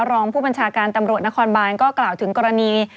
รองผู้บัญชาการตำรวจนครบานก็กล่าวถึงกรณี